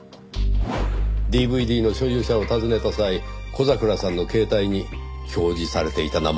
ＤＶＤの所有者を尋ねた際小桜さんの携帯に表示されていた名前ですよ。